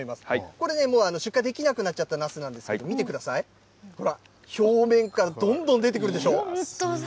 これね、もう出荷できなくなっちゃったなすなんですけど、見てください、ほら、表面からどんどん出てくるでしょ。